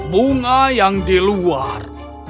bunga yang di luar